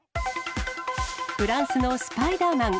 フランスのスパイダーマン。